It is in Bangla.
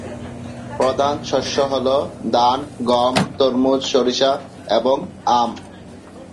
প্রধান শস্য হলো: ধান, গম, তরমুজ, সরিষা, এবং আম।